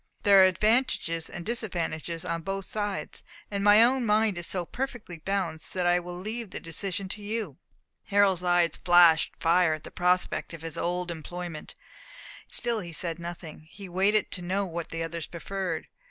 There are advantages and disadvantages on both sides; and my own mind is so perfectly balanced that I will leave the decision to you." Harold's eyes flashed fire at the prospect of his old employment; still he said nothing; he waited to know what the others preferred.